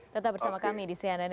tetap bersama kami di cnn indonesia